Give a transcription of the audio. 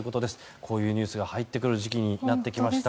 こういうニュースが入ってくる時期になってきました。